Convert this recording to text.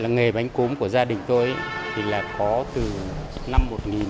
nghề bánh cốm của gia đình tôi thì là có từ năm một nghìn tám trăm sáu mươi năm